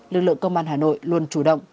lực lượng công an hà nội luôn chủ động